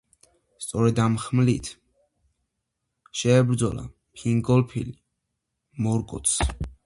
სწორედ ამ ხმლით შეებრძოლა ფინგოლფინი მორგოთს.